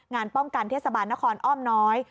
งานป้องกันเทศบาลนครอ้อมน้อย